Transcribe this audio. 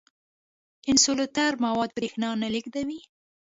انسولټر مواد برېښنا نه لیږدوي.